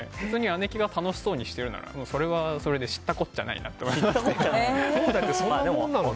姉貴が楽しそうにしてるならそれはそれで知ったこっちゃないなと。